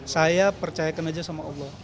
saya percayakan aja sama allah